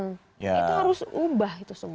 kita harus ubah itu semua